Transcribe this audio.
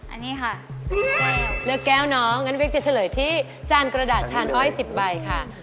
อันนี้ค่ะเลือกแก้วน้องงั้นเป๊กจะเฉลยที่จานกระดาษชาญอ้อย๑๐ใบค่ะ